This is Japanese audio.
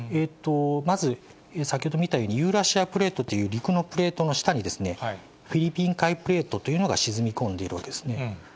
まず、先ほど見たように、ユーラシアプレートという陸のプレートの下にですね、フィリピン海プレートというのが沈み込んでるわけですね。